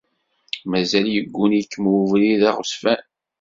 Mazal yegguni-ken ubrid d aɣezfan.